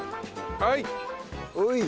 はい。